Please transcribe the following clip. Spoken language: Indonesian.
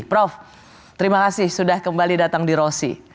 prof terima kasih sudah kembali datang di rosi